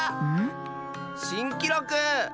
しんきろく！